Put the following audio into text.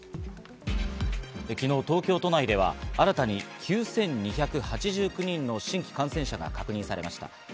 昨日、東京都内では新たに９２８９人の新規感染者が確認されました。